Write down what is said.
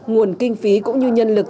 nguồn kinh phí cũng như nhân lực